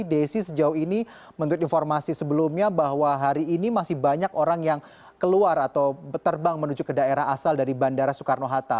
desi sejauh ini menurut informasi sebelumnya bahwa hari ini masih banyak orang yang keluar atau terbang menuju ke daerah asal dari bandara soekarno hatta